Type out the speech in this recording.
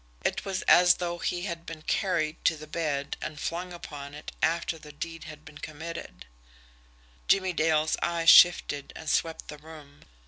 It was as though he had been carried to the bed and flung upon it after the deed had been committed. Jimmie Dale's eyes shifted and swept the room.